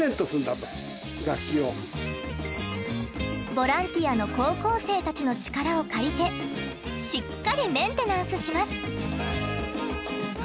ボランティアの高校生たちの力を借りてしっかりメンテナンスします。